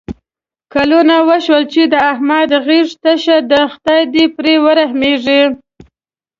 کلونه وشول چې د احمد غېږه تشه ده. خدای دې پرې ورحمېږي.